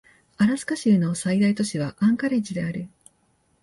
アラスカ州の最大都市はアンカレッジである